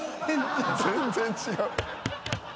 全然違う！